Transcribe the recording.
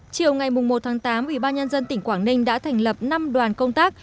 chiều ngày một một tám ủy ban nhân dân tỉnh quảng ninh đã thành lập năm đoàn công tác